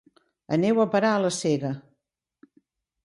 Aneu a parar a la sega.